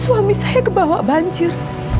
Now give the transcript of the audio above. suami saya kebawa banjir